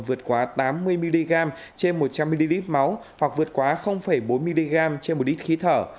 vượt quá tám mươi mg trên một trăm linh ml máu hoặc vượt quá bốn mg trên một lít khí thở